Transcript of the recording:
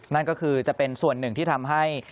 นั่นก็คือจะเป็นส่วนหนึ่งที่ทำให้